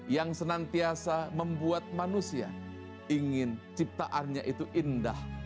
yang senantiasa membuat manusia ingin ciptaannya itu indah